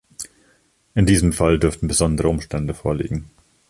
In diesem Fall dürften besondere Umstände vorliegen.